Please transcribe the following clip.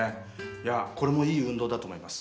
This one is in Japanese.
いやこれもいい運動だと思います。